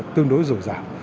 tương đối dồi dàng